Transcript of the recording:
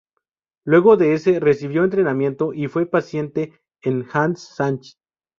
Luego de eso recibió entrenamiento, y fue paciente de Hanns Sachs.